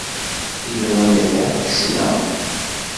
Yella wanda teεkes da!